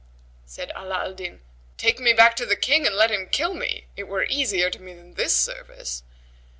Said Ala al Din,[FN#120] "Take me back to the King and let him kill me, it were easier to me than this service."